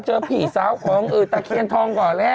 เจอพี่สาวของตะเคียนทองก่อนแล้ว